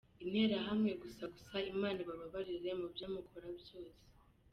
Interahamwe gusa…gusa Imana ibabarire mubyo mukora byose.